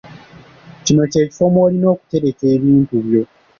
Kino ky'ekifo mw'olina okutereka ebintu byo.